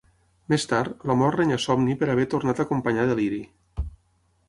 Més tard, la Mort renya a Somni per haver tornat a acompanyar a Deliri.